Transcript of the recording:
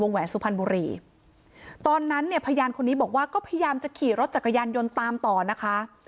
แหวนสุพรรณบุรีตอนนั้นเนี่ยพยานคนนี้บอกว่าก็พยายามจะขี่รถจักรยานยนต์ตามต่อนะคะ